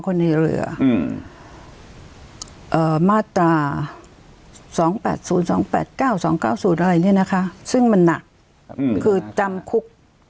คนในเรือมาตรา๒๘๐๒๘๙๒๙๐อะไรเนี่ยนะคะซึ่งมันหนักคือจำคุก